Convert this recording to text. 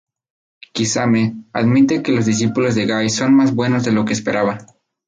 Kisame admite que los discípulos de Gai son más buenos de lo que esperaba.